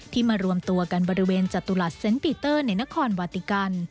มารวมตัวกันบริเวณจตุรัสเซ็นต์ปีเตอร์ในนครวาติกัน